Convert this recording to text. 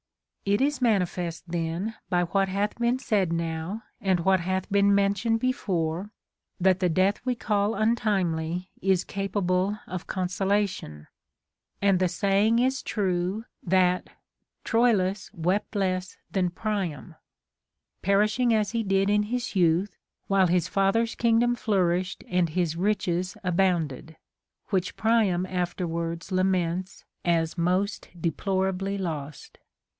24. It is manifest then, by Avhat hath been said now and what hath been mentioned before, that the death we call untimely is capable of consolation ; and the saying is true, that " Troilus wept less than Priam," * perishing as he did in his youth, while his father's kingdom flourished and his riches abounded, Avhich Priam afterwards laments as most deplorably lost.